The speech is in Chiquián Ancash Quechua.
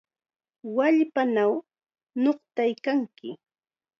¡Wallpanaw nuqtaykanki!